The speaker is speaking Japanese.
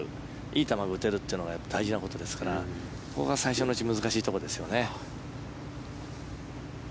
いい球を打てるというのが大事なところですからここは最初のうちは難しいところですよね。